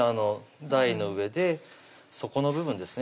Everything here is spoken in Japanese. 台の上で底の部分ですね